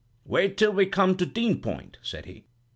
'Wait till we come to Dean Point,' said he.